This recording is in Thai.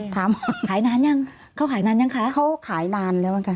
ถามขายนานยังเขาขายนานยังคะเขาขายนานแล้วเหมือนกัน